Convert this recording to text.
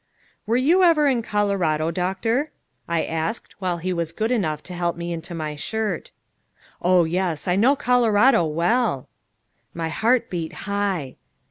"Were you ever in Colorado, Doctor?" I asked while he was good enough to help me into my shirt. "Oh, yes, I know Colorado well!" My heart beat high.